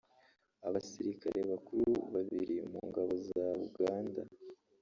Abasirikare bakuru babiri mu Ngabo za Uganda